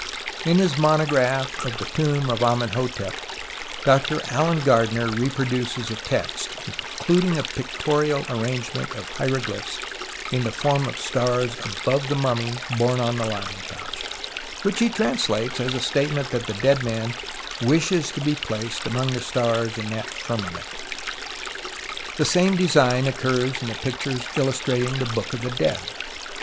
116 TUTANKHAMEN In liis monograph of tlie Tomb of'Amenemhet Dr Alan (Tardiner reproduces a text (Plate XXX A) including a pictorial arrangement of hieroglyphs in the form of stars above the mummy borne on the lion couch, which lie translates as a statement that the dead man " wishes to be placed among the stars in the firmament" (p. 119). The same design occurs in the pictures illustrating the Book of the Dead.